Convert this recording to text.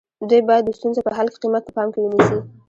دوی باید د ستونزو په حل کې قیمت په پام کې ونیسي.